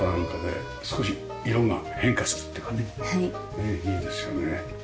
ねえいいですよね。